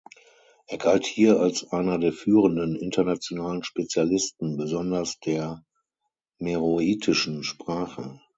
Er galt hier als einer der führenden internationalen Spezialisten, besonders der meroitischen Sprache.